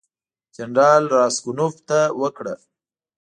جنرال راسګونوف ته وکړه.